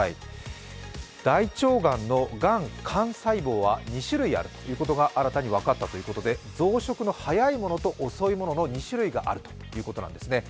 大腸がんのがん幹細胞は２種類あるということが新たに分かったということで増殖の速いものと遅いものの２種類があるということなんですね